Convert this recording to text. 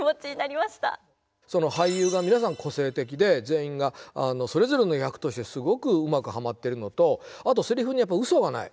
俳優が皆さん個性的で全員がそれぞれの役としてすごくうまくハマってるのとあとせりふにやっぱうそがない。